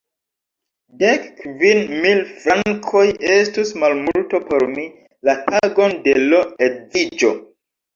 Dek kvin mil frankoj estus malmulto por mi, la tagon de l' edziĝo.